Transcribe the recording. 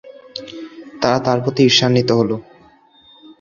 তারা তার প্রতি ঈর্ষান্বিত হলো।